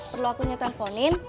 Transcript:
perlu aku nyetelponin